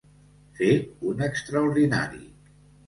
Fer un extraordinari.